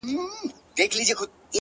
• په خبرو په کیسو ورته ګویا سو,